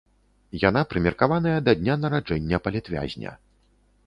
Яна прымеркаваная да дня нараджэння палітвязня.